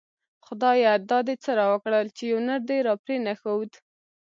خدايه دا دی څه راوکړه ;چی يو نر دی راپری نه ښود